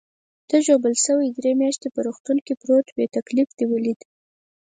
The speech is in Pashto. ته ژوبل شوې، درې میاشتې په روغتون کې پروت وې، تکلیف دې ولید.